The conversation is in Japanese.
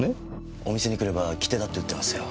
お店に来れば切手だって売ってますよ。